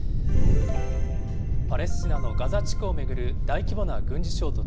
パレスチナのガザ地区を巡る大規模な軍事衝突。